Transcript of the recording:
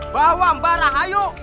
bahwa mbak rahayu